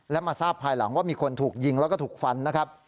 และมาทราบภายหลังว่ามีคนถูกยิงแล้วก็ถูกฟันนะครับ